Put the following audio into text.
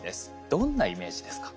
どんなイメージですか？